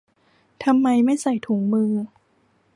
ทำไมไม่ใส่ถุงมือ